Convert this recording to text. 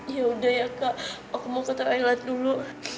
ya udah ya kak aku mau ke thailand dulu